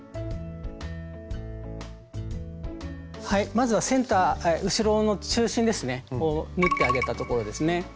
はいまずはセンター後ろの中心ですね縫ってあげたところですね。